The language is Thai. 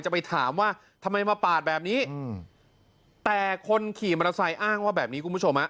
ไปถามว่าทำไมมาปาดแบบนี้แต่คนขี่มอเตอร์ไซค์อ้างว่าแบบนี้คุณผู้ชมฮะ